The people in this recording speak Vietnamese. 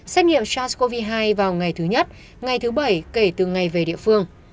xét nghiệm sars cov hai vào ngày thứ nhất ngày thứ bảy kể từ ngày về địa phương